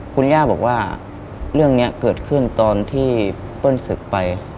คุณย่าบอกว่าเรื่องนี้เกิดขึ้นตอนที่เปิ้ลศึกไป